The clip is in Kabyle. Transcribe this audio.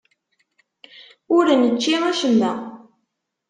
Ur nečči acemma.